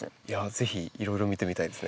ぜひいろいろ見てみたいですね。